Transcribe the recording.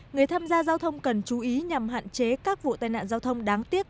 người tham gia giao thông cần chú ý nhằm hạn chế các vụ tai nạn giao thông đáng tiếc